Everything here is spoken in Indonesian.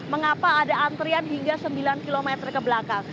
mengapa ada antrian hingga sembilan km ke belakang